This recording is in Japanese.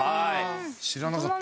知らなかった。